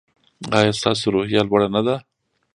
ایا ستاسو روحیه لوړه نه ده؟